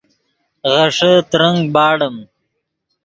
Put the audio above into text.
غیݰے ترنگ باڑیم